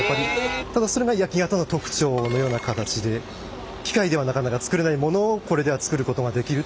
ただそれが焼型の特徴のような形で機械ではなかなか作れないものをこれでは作ることができるっていう。